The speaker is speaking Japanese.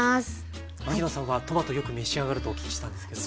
牧野さんはトマトよく召し上がるとお聞きしたんですけど。